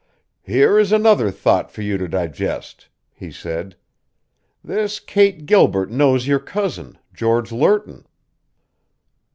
"Here is another thought for you to digest," he said. "This Kate Gilbert knows your cousin, George Lerton."